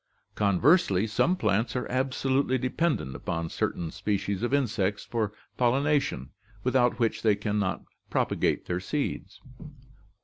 Conversely, some plants are absolutely dependent upon certain species of insects for pollination, without which they can not propagate their seeds.